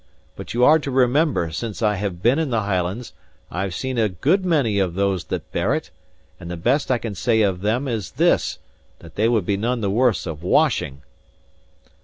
But you are to remember, since I have been in the Highlands, I have seen a good many of those that bear it; and the best I can say of them is this, that they would be none the worse of washing."